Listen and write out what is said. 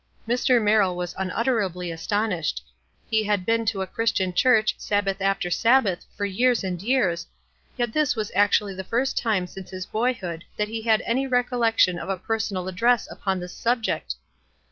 '" Mr. Merrill was unutterably astonished. Ke had been to a Christian Church Sabbath after Sabbath for years and years, yet this was ac tually the first time since his boyhood that he had any recollection of a personal address upon this subject.